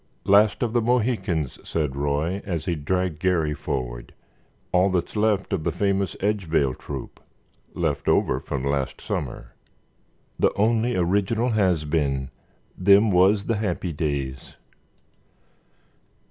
"Last of the Mohicans," said Roy, as he dragged Garry forward; "all that's left of the famous Edgevale troop—left over from last summer. The only original has been. Them wuz the happy days."